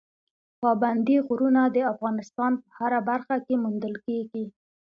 پابندي غرونه د افغانستان په هره برخه کې موندل کېږي.